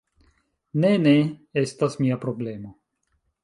Ne, ne estas mia problemo